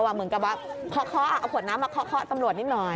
เหมือนกับว่าเคาะเอาขวดน้ำมาเคาะตำรวจนิดหน่อย